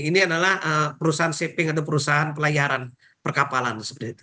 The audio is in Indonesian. ini adalah perusahaan saping atau perusahaan pelayaran perkapalan